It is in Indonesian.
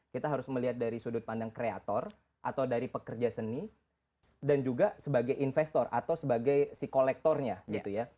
kita harus melihat dari sudut pandang kreator atau dari pekerja seni dan juga sebagai investor atau sebagai si kolektornya gitu ya